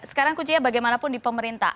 sekarang kuncinya bagaimanapun di pemerintah